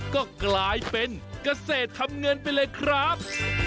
ก็กลายเป็นเกษตรทำเงินไปเลยครับ